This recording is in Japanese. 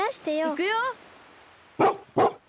いくよ！